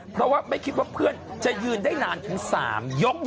เพราะว่าไม่คิดว่าเพื่อนจะยืนได้นานถึง๓ยก